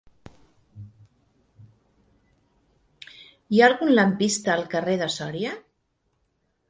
Hi ha algun lampista al carrer de Sòria?